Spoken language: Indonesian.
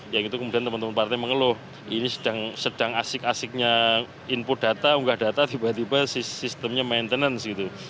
yang itu kemudian teman teman partai mengeluh ini sedang asik asiknya input data unggah data tiba tiba sistemnya maintenance gitu